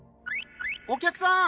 お客さん！